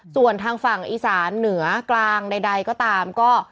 ส่วนทางฝั่งอีสานเหนือกลางใดก็ตามก็